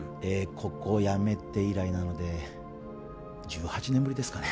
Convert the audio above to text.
ここを辞めて以来なので１８年ぶりですかね？